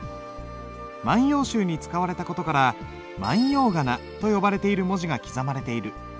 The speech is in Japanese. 「万葉集」に使われた事から万葉仮名と呼ばれている文字が刻まれている。